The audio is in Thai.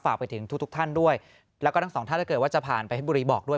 ฝากไปถึงทุกทุกท่านด้วยแล้วก็ทั้งสองท่านถ้าเกิดว่าจะผ่านไปให้บุรีบอกด้วย